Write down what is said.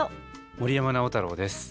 森山直太朗です。